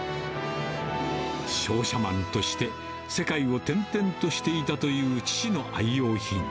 商社マンとして、世界を転々としていたという父の愛用品。